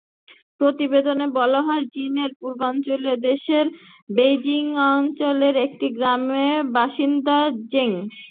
প্রতিবেদনে বলা হয়, চীনের পূর্বাঞ্চলীয় প্রদেশ ঝেজিয়াংয়ের একটি গ্রামের বাসিন্দা জেং।